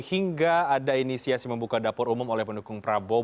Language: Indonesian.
hingga ada inisiasi membuka dapur umum oleh pendukung prabowo